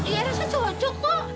ya dia rasa cocok bu